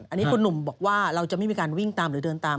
อันนี้คุณหนุ่มบอกว่าเราจะไม่มีการวิ่งตามหรือเดินตาม